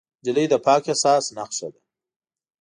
نجلۍ د پاک احساس نښه ده.